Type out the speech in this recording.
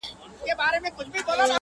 دا هډوکی د لېوه ستوني کي بند سو،